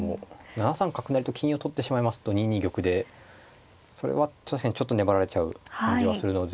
７三角成と金を取ってしまいますと２二玉でそれは確かにちょっと粘られちゃう感じはするので。